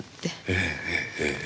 ええええええ。